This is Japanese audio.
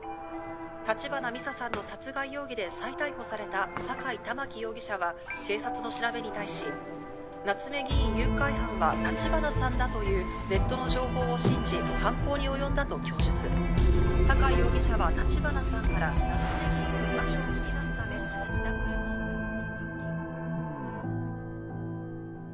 橘美沙さんの殺害容疑で再逮捕された坂居環容疑者は警察の調べに対し夏目議員誘拐犯は橘さんだというネットの情報を信じ犯行に及んだと供述坂居容疑者は橘さんから夏目議員の居場所を聞き出すため自宅へ誘い込み。